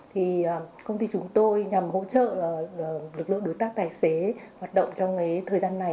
thì công ty chúng tôi nhằm hỗ trợ lực lượng đối tác tài xế hoạt động trong thời gian này